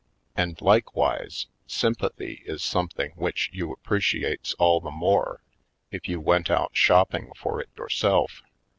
And, likewise, sympathy is something which you appreciates all the more if you went out shopping for it yourself.